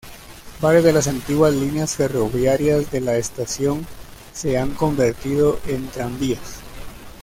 Varias de las antiguas líneas ferroviarias de la estación se han convertido en tranvías.